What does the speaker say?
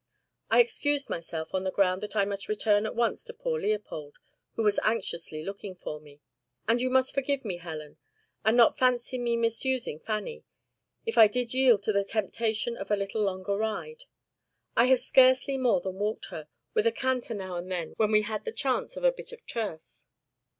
I excused myself on the ground that I must return at once to poor Leopold, who was anxiously looking for me. And you must forgive me, Helen, and not fancy me misusing Fanny, if I did yield to the temptation of a little longer ride. I have scarcely more than walked her, with a canter now and then when we had the chance of a bit of turf."